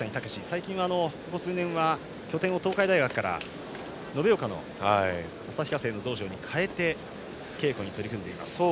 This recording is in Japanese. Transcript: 最近、ここ数年は拠点を東海大学から延岡の旭化成の道場に変えて稽古に取り組んでいます。